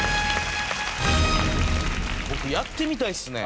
僕やってみたいっすね。